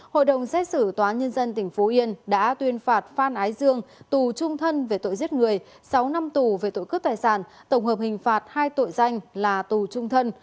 hội đồng xét xử tòa nhân dân tỉnh phú yên đã tuyên phạt phan ái dương tù trung thân về tội giết người sáu năm tù về tội cướp tài sản tổng hợp hình phạt hai tội danh là tù trung thân